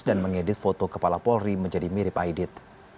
dan mengedit foto kepala polri menjadi mirip aidit